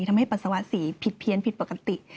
ทำให้ปัสสาวะสีผิดเพี้ยนผิดปกติ